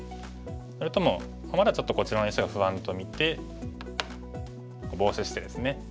それともまだちょっとこっちの石が不安と見てボウシしてですね